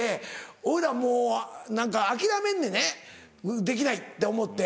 俺らもう何か諦めんねんねできないって思って。